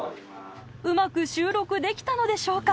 うまく収録できたのでしょうか？